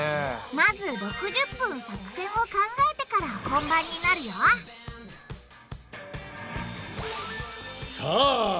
まず６０分作戦を考えてから本番になるよさあ